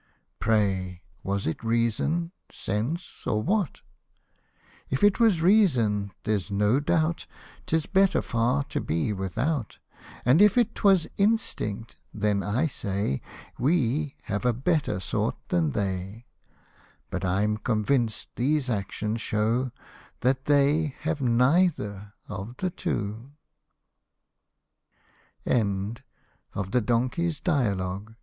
Pray was it reason, sense, or what ? If it was reason, there's no doubt 'Tis better far to be without ; And if 'twas instinct, then I say, We have a better sort than they ; But I'm convinced these actions shew That they have neither of the two/' FABLE III. THE PRIDE O